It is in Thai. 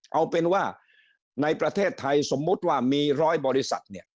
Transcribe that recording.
เอาเป็นว่าในประเทศไทยสมมุติว่ามี๑๐๐บริษัท